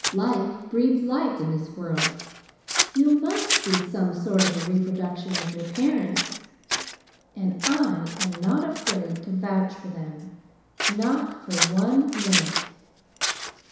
Like breeds like in this world! You must be some sort of a reproduction of your parents, and I am not afraid to vouch for them, not for a minute!